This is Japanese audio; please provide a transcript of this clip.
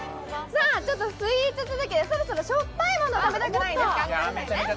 スイーツ続きで、そろそろしょっぱいものを食べたくないですか？